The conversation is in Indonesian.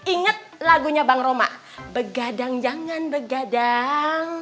ingat lagunya bang roma begadang jangan begadang